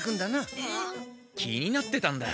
気になってたんだ。